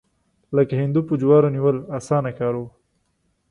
لکه هندو په جوارو نیول، اسانه کار و.